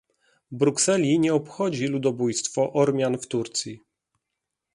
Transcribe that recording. Brukseli nie obchodzi ludobójstwo Ormian w Turcji